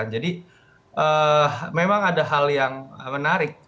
jadi memang ada hal yang menarik